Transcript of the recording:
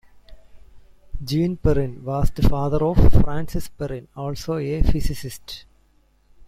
Jean Perrin was the father of Francis Perrin, also a physicist.